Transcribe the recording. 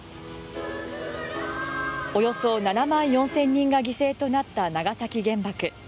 およそ７万４０００人が犠牲となった長崎原爆。